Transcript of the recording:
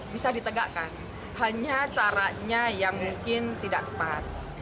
bisa ditegakkan hanya caranya yang mungkin tidak tepat